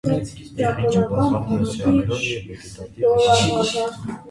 Եղինջը բազմանում է սերմերով և վեգետատիվ եղանակով։